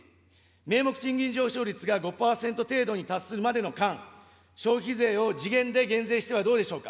名目賃金上昇率が５％程度に達するまでの間、消費税を時限で減税してはどうでしょうか。